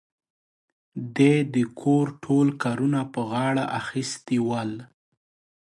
دې د کور ټول کارونه په غاړه اخيستي ول.